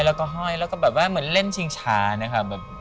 แล้วก็ห้อยแล้วก็แบบว่าเหมือนเล่นชิงช้านะครับ